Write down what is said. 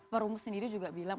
perumus sendiri juga bilang